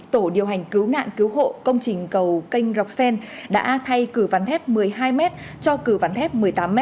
tổ điều hành cứu nạn cứu hộ công trình cầu canh rọc sen đã thay cử vắn thép một mươi hai m cho cử vắn thép một mươi tám m